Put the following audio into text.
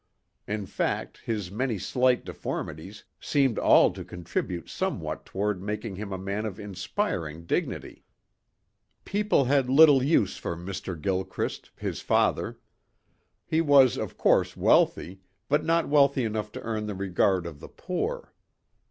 In fact his many slight deformities seemed all to contribute somehow toward making him a man of inspiring dignity. People had little use for Mr. Gilchrist, his father. He was, of course, wealthy but not wealthy enough to earn the regard of the poor.